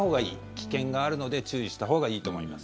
危険があるので注意したほうがいいと思います。